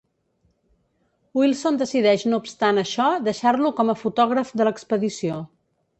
Wilson decideix no obstant això deixar-lo com a fotògraf de l'expedició.